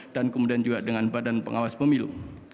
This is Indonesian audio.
dan kemudian juga dengan badan pengawas pemilu